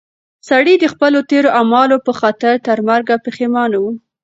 سړی د خپلو تېرو اعمالو په خاطر تر مرګ پښېمانه و.